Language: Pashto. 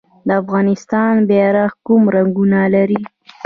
د افغانستان بیرغ کوم رنګونه لري؟